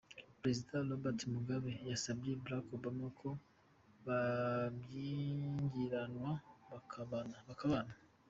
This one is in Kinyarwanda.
Perezida Robert Mugabe yasabye Barack Obama ko bashyingiranwa bakabana.